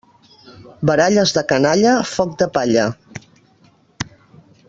Baralles de canalla, foc de palla.